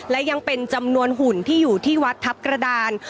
และยังเป็นจำนวนหุ่นที่อยู่ที่วัดทัพกระดาน